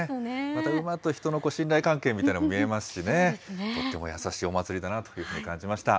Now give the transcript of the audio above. また馬と人の信頼関係というのも見えますしね、とっても優しいお祭りだなというふうに感じました。